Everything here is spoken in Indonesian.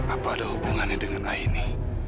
apa ada hubungannya dengan aini